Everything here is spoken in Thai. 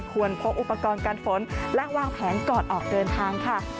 พกอุปกรณ์การฝนและวางแผนก่อนออกเดินทางค่ะ